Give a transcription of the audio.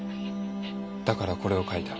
だからこれを書いた。